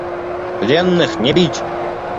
– Пленных не бить!